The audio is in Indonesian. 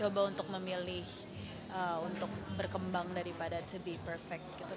coba untuk memilih untuk berkembang daripada to be perfect gitu